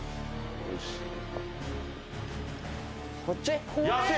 こっち？